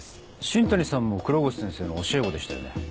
新谷さんも黒越先生の教え子でしたよね？